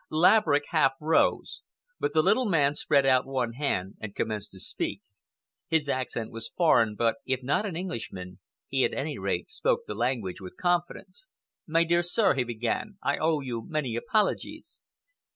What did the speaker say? Laverick half rose, but the little man spread out one hand and commenced to speak. His accent was foreign, but, if not an Englishman, he at any rate spoke the language with confidence. "My dear sir," he began, "I owe you many apologies.